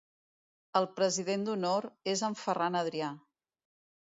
El president d'honor és en Ferran Adrià.